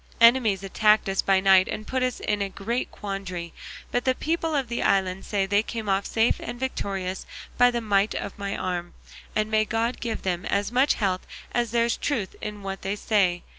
Enemies attacked us by night and put us in a great quandary, but the people of the island say they came off safe and victorious by the might of my arm; and may God give them as much health as there's truth in what they say.